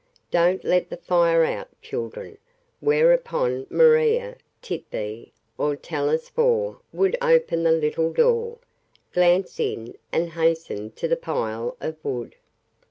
"Don't let the fire out, children." Whereupon Maria, Tit'Bé or Telesphore would open the little door, glance in and hasten to the pile of wood.